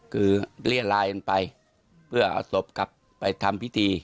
คือเลี่ยลายกันไปเพื่อเอาศพกลับไปทำพิธี